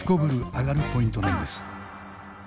アガるポイントなんです。